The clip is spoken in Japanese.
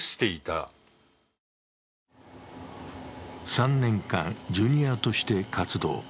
３年間、ジュニアとして活動。